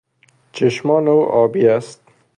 چشمان او آبی است.